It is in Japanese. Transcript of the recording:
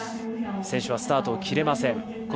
選手はスタートを切れません。